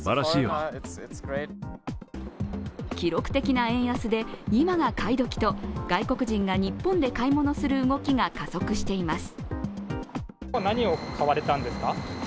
記録的な円安で今が買い時と外国人が日本で買い物する動きが加速しています。